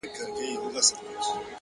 ددفاع لوی قوماندان يې